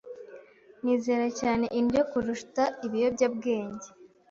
Nizera cyane indyo kuruta ibiyobyabwenge.